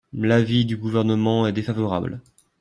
L’avis du Gouvernement est défavorable.